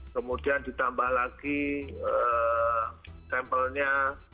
kemudian ditambah lagi sampelnya